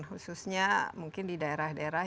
khususnya mungkin di daerah daerah